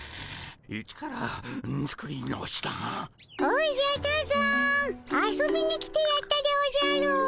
おじゃ多山遊びに来てやったでおじゃる。